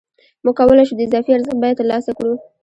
موږ کولای شو د اضافي ارزښت بیه ترلاسه کړو